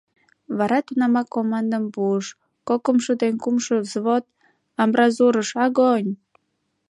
— Вара тунамак командым пуыш: — Кокымшо ден кумшо взвод, амбразурыш — огонь!